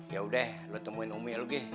yaudah lo temuin umi lagi